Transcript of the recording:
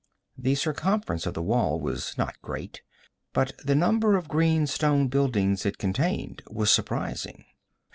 The circumference of the wall was not great, but the number of green stone buildings it contained was surprizing.